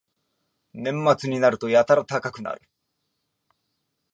年末になるとやたら高くなる